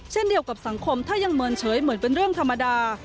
เช่นเดียวกับสังคมถ้ายังเมินเฉยเหมือนเป็นเรื่องธรรมดา